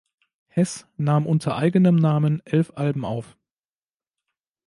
Hess nahm unter eigenem Namen elf Alben auf.